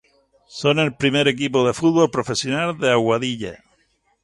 Son el primer equipo de fútbol profesional de Aguadilla.